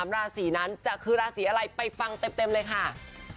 ราศีนั้นจะคือราศีอะไรไปฟังเต็มเลยค่ะ